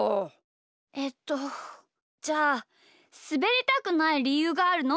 えっとじゃあすべりたくないりゆうがあるの？